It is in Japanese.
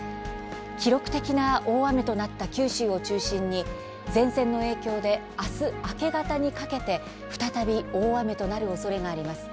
記録的な大雨となった九州を中心に前線の影響で明日、明け方にかけて再び大雨となるおそれがあります。